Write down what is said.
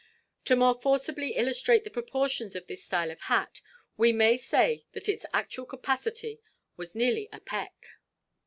To more forcibly illustrate the proportions of this style of hat, we may say that its actual capacity was nearly a peck.